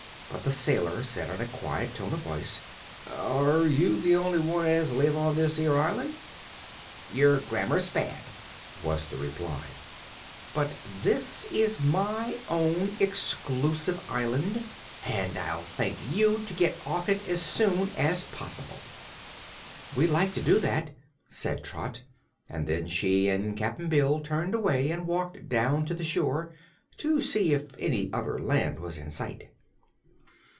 But the sailor said, in a quiet tone of voice: "Are you the only one as lives on this 'ere island?" "Your grammar's bad," was the reply. "But this is my own exclusive island, and I'll thank you to get off it as soon as possible." "We'd like to do that," said Trot, and then she and Cap'n Bill turned away and walked down to the shore, to see if any other land was in sight.